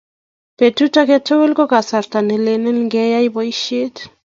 Petut age tugul ko kasarta nelelne kiyaei boisiet